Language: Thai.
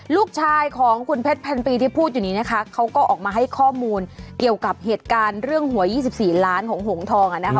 ลูกชายของคุณเพชรพันปีที่พูดอยู่นี้นะคะเขาก็ออกมาให้ข้อมูลเกี่ยวกับเหตุการณ์เรื่องหวย๒๔ล้านของหงทอง